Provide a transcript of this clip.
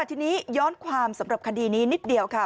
ทีนี้ย้อนความสำหรับคดีนี้นิดเดียวค่ะ